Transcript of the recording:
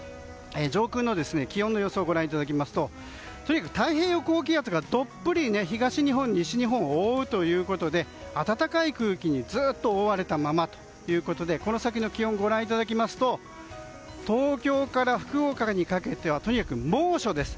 上空の気温の予想をご覧いただきますと太平洋高気圧がどっぷり東日本、西日本を覆うということで暖かい空気にずっと覆われたままということでこの先の気温ご覧いただきますと東京から福岡にかけてはとにかく猛暑です。